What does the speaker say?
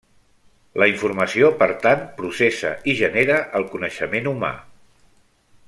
La informació per tant, processa i genera el coneixement humà.